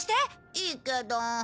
いいけど。